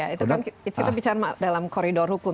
itu kan kita bicara dalam koridor hukum